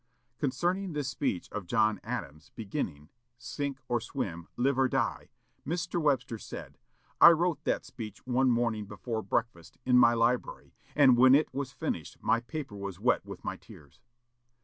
Concerning this speech of John Adams, beginning, "Sink or swim, live or die," Mr. Webster said, "I wrote that speech one morning before breakfast, in my library, and when it was finished my paper was wet with my tears."